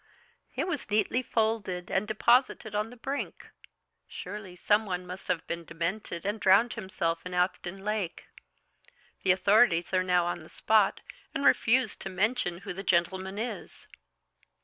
It was neatly folded and deposited on the brink. Surely some one must have been demented and drowned himself in Afton Lake. The authorities are now on the spot and refuse to mention who the gentleman is."